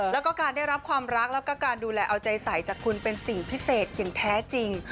แล้วก็การได้รับความรักแล้วก็การดูแลเอาใจใสจากคุณเป็นสิ่งพิเศษอย่างแท้จริง